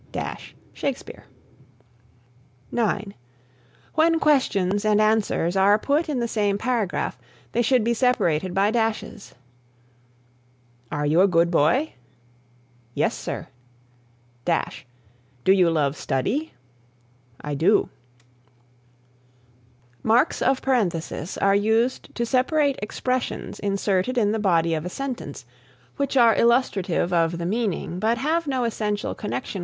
Shakespeare. (9) When questions and answers are put in the same paragraph they should be separated by dashes: "Are you a good boy? Yes, Sir. Do you love study? I do." Marks of Parenthesis are used to separate expressions inserted in the body of a sentence, which are illustrative of the meaning, but have no essential connection with the sentence, and could be done without.